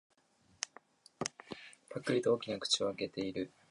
ぱっくりと大きな口を開けている。